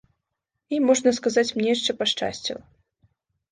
І, можна сказаць, мне яшчэ пашчасціла.